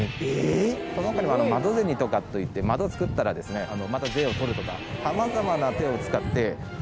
その他にも窓銭とかといって窓作ったらまた税を取るとか。